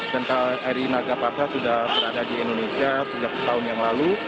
dan kri nagapasa sudah berada di indonesia sejak tahun yang lalu